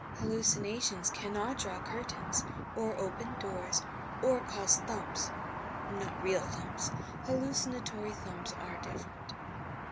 Hallucinations cannot draw curtains, or open doors, or cause thumps — not real thumps — hallucinatory thumps are different."